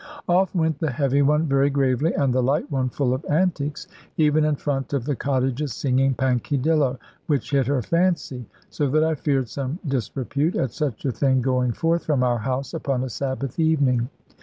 Off went the heavy one very gravely, and the light one full of antics, even in front of the cottages singing "Pankydillo" (which hit her fancy), so that I feared some disrepute, at such a thing going forth from our house upon a Sabbath evening.